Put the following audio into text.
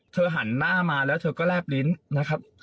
หันหน้ามาแล้วเธอก็แลบลิ้นนะครับ